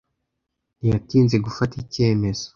Ntiyatinze gufata icyemezo.